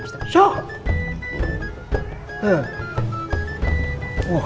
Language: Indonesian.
wah kenapa itu tuh